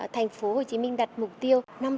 tp hcm đặt mục tiêu